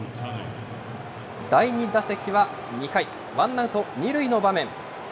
第２打席は２回、ワンアウト２塁の場面。